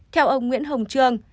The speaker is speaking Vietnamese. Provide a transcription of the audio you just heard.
theo ông nguyễn hồng trương